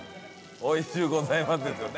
「おいしゅうございます」ですよね。